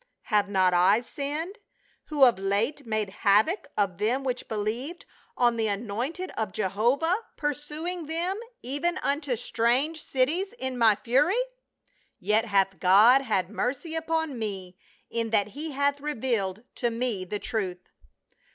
" Have not I sinned, who of late made havoc of them which believed on the Anointed of Jehovah, pur IX THE DESERT OF SINAL 55 suing them even unto strange cities in my fury ? Yet hath God had mercy upon me in that he hath revealed to me the truth."